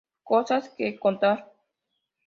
Cosas que contar